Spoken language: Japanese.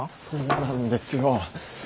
そうなんですよ。